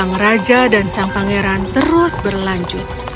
sang raja dan sang pangeran terus berlanjut